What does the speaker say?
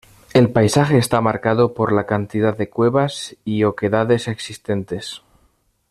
El paisaje está marcado por la cantidad de cuevas y oquedades existentes.